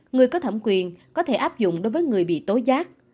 người có thẩm quyền có thể áp dụng đối với người bị tối giác